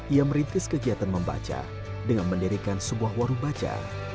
ia merintis kegiatan membaca dengan mendirikan sebuah warung baca